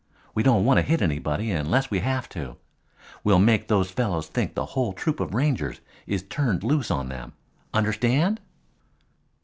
We don't want to hit anybody unless we have to. We'll make those fellows think the whole troop of Rangers is turned loose on them. Understand?"